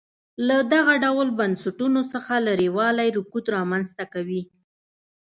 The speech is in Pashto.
له دغه ډول بنسټونو څخه لرېوالی رکود رامنځته کوي.